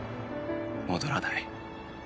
戻らない。